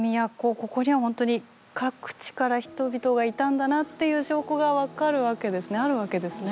ここにはほんとに各地から人々がいたんだなっていう証拠が分かるわけですねあるわけですね。